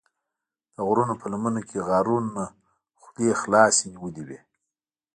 د غرونو په لمنو کې غارونو خولې خلاصې نیولې وې.